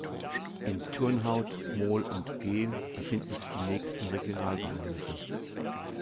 In Turnhout, Mol und Geel befinden sich die nächsten Regionalbahnhöfe.